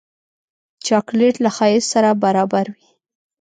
چاکلېټ له ښایست سره برابر وي.